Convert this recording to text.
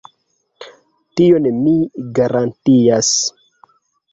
Tion mi garantias.